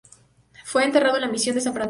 Fue enterrado en la misión San Fernando.